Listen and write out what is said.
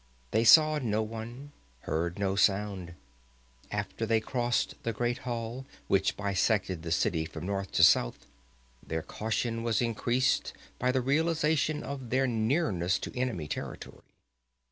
They saw no one, heard no sound. After they crossed the Great Hall which bisected the city from north to south, their caution was increased by the realization of their nearness to enemy territory.